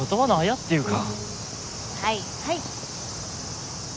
はいはい。